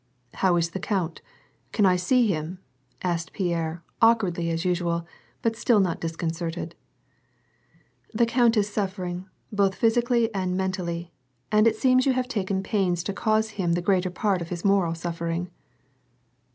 " How is the count ? Can I see him ?" asked Pierre, awk wardly as usual, but still not disconcerted. " The count is suffering, both physically and mentally, and it seems you have taken pains to cause him the greater part of his moral suffering."